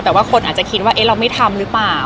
แต่ว่าคนอาจจะคิดว่าเราไม่ทำหรือเปล่า